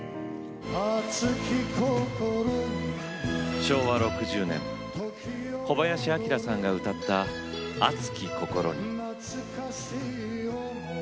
昭和６０年小林旭さんが歌った「熱き心に」。